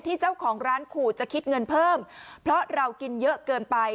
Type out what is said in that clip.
เจ้าของร้านขู่จะคิดเงินเพิ่มเพราะเรากินเยอะเกินไป